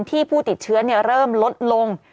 ผู้ติดเชื้อเริ่มลดลง